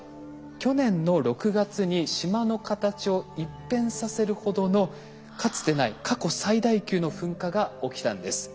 去年の６月に島の形を一変させるほどのかつてない過去最大級の噴火が起きたんです。